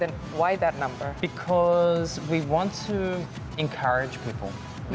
karena kita ingin memberi keuangan kepada orang lain